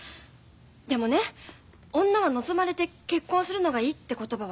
でもね女は望まれて結婚するのがいいって言葉分かる。